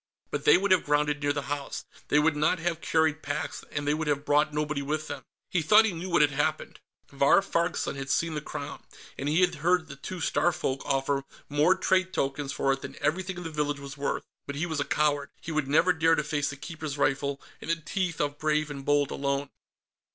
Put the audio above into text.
But they would have grounded near the house, they would not have carried packs, and they would have brought nobody with them. He thought he knew what had happened. Vahr Farg's son had seen the Crown, and he had heard the two Starfolk offer more trade tokens for it than everything in the village was worth. But he was a coward; he would never dare to face the Keeper's rifle and the teeth of Brave and Bold alone.